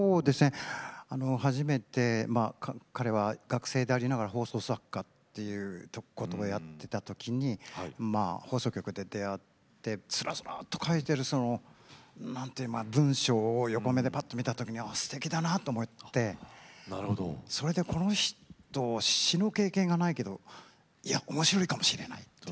初めて彼は学生でありながら放送作家ということをやっていたときに放送局で出会ってすらすらと書いているなんていうか文章を横目で見たときに、すてきだなと思ってそれで、この人詞の経験がないけれどおもしろいかもしれないと。